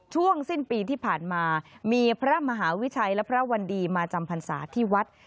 ช่วงสิ้นปีที่ผ่านมามีพระมหาวิชัยและพระวันดีมาจำพรรษาที่วัด